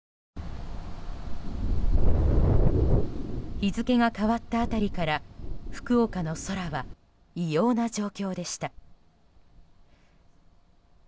日付が変わった辺りから福岡の空は異様な状況でした。